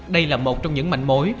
đây là một trong những mạnh mối